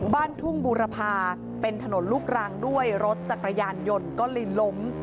บ้านทุ่งบูรพาเป็นถนนลูกรังด้วยรถจักรยานยนต์ก็เลยล้ม